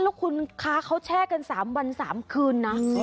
แล้วคุณค้าเขาแช่กัน๓วัน๓คืนนะ